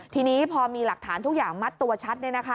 ทีนี้พอมีหลักฐานทุกอย่างมัดตัวชัด